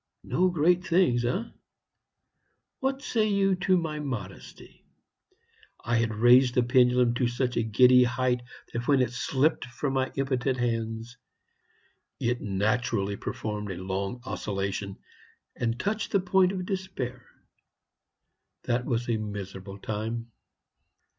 No great things, eh? What say you to my modesty? I had raised the pendulum to such a giddy height that when it slipped from my impotent hands it naturally performed a long oscillation, and touched the point Despair. That was a miserable time.